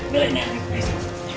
bella ini ayah